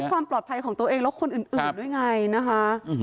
ความปลอดภัยของตัวเองแล้วคนอื่นด้วยไงนะคะ